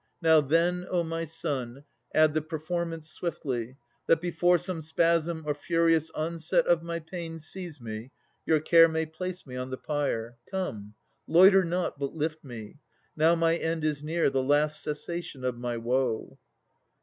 Now, then, O my son, Add the performance swiftly, that, before Some spasm or furious onset of my pain Have seized me, ye may place me on the pyre. Come, loiter not, but lift me. Now my end Is near, the last cessation of my woe.